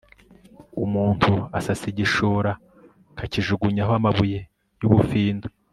umuntu asasa igishura akakijugunyaho amabuye y'ubufindo